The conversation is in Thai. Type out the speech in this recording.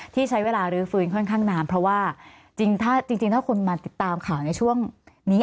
ที่ใช้เวลารื้อฟื้นค่อนข้างนานเพราะว่าจริงถ้าจริงถ้าคนมาติดตามข่าวในช่วงนี้